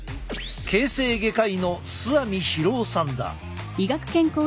形成外科医の須網博夫さんだ。